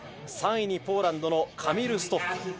３位のポーランドのカミル・ストッフ。